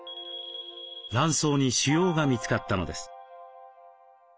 卵巣に腫瘍が見つかったのです。